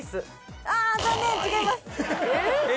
あぁ残念違います。